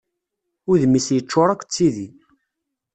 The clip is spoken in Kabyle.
Udem-is yeččur akk d tidi.